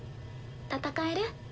戦える？